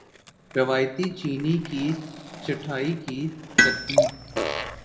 روایتی چینی کی چھٹائی کی ترتیب